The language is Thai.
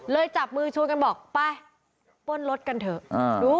จับมือชวนกันบอกไปป้นรถกันเถอะ